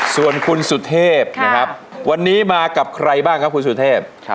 ส่วนคุณสุเทพนะครับวันนี้มากับใครบ้างครับคุณสุเทพ